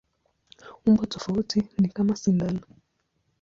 Umbo tofauti ni kama sindano.